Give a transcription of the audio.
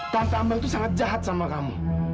tante ambel itu sangat jahat sama kamu